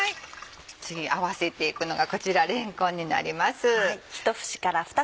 次合わせていくのがこちられんこんになります。